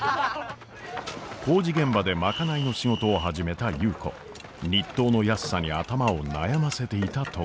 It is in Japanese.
工事現場で賄いの仕事を始めた優子日当の安さに頭を悩ませていたところ。